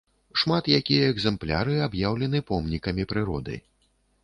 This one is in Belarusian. Шмат якія экзэмпляры аб'яўлены помнікамі прыроды.